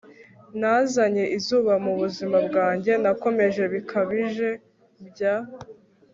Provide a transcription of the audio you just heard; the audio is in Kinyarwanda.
nazanye izuba mu buzima bwanjye. nakomeje bikabije. bya